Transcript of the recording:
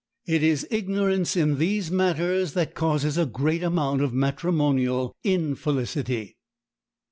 It is ignorance in these matters that causes a great amount of matrimonial infelicity.